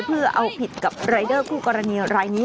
เพื่อเอาผิดกับรายเดอร์คู่กรณีรายนี้